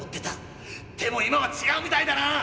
でも今はちがうみたいだな！